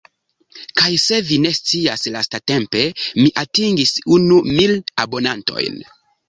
Kaj se vi ne scias lastatempe mi atingis unu mil abonantojn.